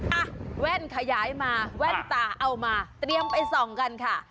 อ่ะแว่นขยายมาแว่นตาเอามาเตรียมไปส่องกันค่ะ